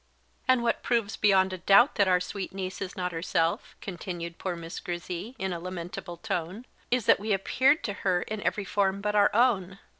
"And what proves beyond a doubt that our sweet niece is not herself," continued poor Miss Grizzy, in a lamentable tone, "is that we appeared to her in every form but our own!